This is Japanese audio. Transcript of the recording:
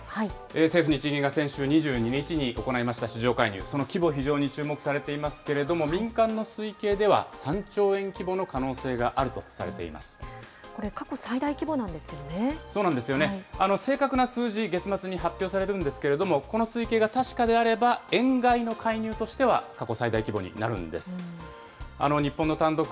政府・日銀が先週２２日に行いました市場介入、その規模、民間の推計では３兆円規模の可能性があるとされていまこれ、過去最大規模なんですそうなんです、正確な数字、月末に発表されるんですけれども、この推計が確かであれば、円買いの介入としては過去最大規模になるんです。